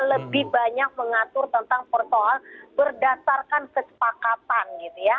lebih banyak mengatur tentang persoalan berdasarkan kesepakatan gitu ya